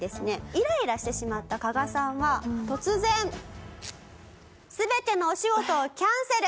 イライラしてしまった加賀さんは突然全てのお仕事をキャンセル。